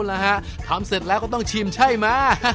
เลยฮะทำเสร็จแล้วก็ต้องชิมใช้มา